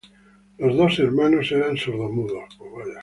Los dos hermanos eran sordomudos.